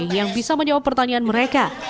yang bisa menjawab pertanyaan mereka